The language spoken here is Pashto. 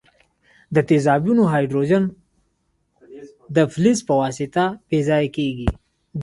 د تیزابونو هایدروجن د فلز په واسطه بې ځایه کیږي.